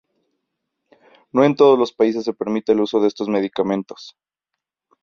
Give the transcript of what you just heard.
No en todos los países se permite el uso de estos medicamentos.